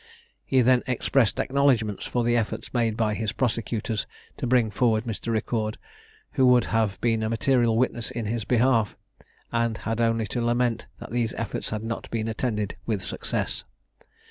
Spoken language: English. He then expressed acknowledgments for the efforts made by his prosecutors to bring forward Mr. Riccord, who would have been a material witness in his behalf; and had only to lament that these efforts had not been attended with success.